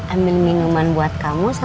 ambil minuman buat kamu sama tante frau